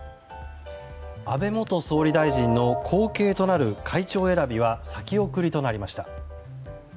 安倍元総理大臣の後継となる会長選びは先送りとなりました。